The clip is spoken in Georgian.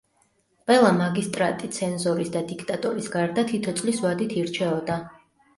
ყველა მაგისტრატი ცენზორის და დიქტატორის გარდა თითო წლის ვადით ირჩეოდა.